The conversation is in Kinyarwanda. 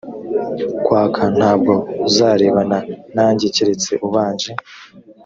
nkwaka ntabwo uzarebana nanjye keretse ubanje